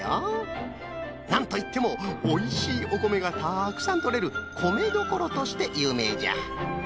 なんといってもおいしいおこめがたくさんとれるこめどころとしてゆうめいじゃ。